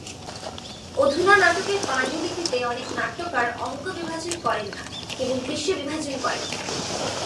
অধুনা নাটকের পাণ্ডুলিপিতে অনেক নাট্যকার অঙ্ক বিভাজন করেন না, কেবল দৃশ্য বিভাজন করেন।